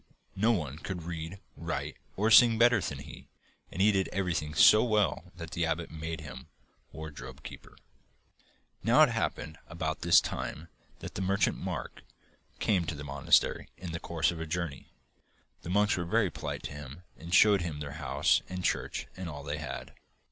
No one could read, write, or sing better than he, and he did everything so well that the abbot made him wardrobe keeper. Now, it happened about this time that the merchant, Mark, came to the monastery in the course of a journey. The monks were very polite to him and showed him their house and church and all they had.